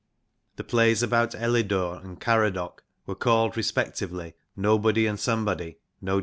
The plays about Elidure and Caradoc were called respectively Nobody and Somebody (n.d.)